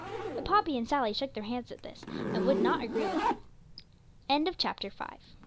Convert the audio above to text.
But Poppy and Sally shook their heads at this, and would not agree with him. CHAPTER VI.